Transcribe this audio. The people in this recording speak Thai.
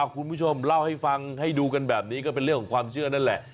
คุณผู้ชมเล่าให้ฟังให้ดูกันแบบนี้ก็เป็นเรื่องของความเชื่อนั่นแหละ